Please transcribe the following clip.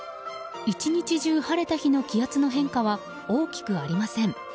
１日中晴れた日の気圧の変化は大きくありません。